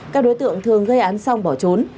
các đối tượng thường gây án xong bỏ trốn